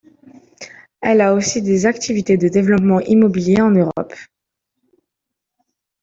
Elle a aussi des activités de développement immobilier en Europe.